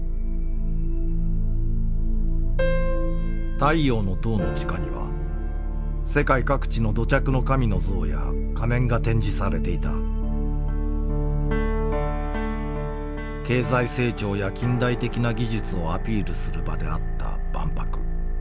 太陽の塔の地下には世界各地の土着の神の像や仮面が展示されていた経済成長や近代的な技術をアピールする場であった万博。